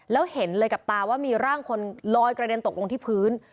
แล้วเห็นเลยกับตาว่ามีร่างคนลอยกระเด็นตกลงที่พื้น